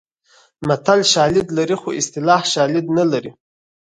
متل شالید لري خو اصطلاح شالید نه لري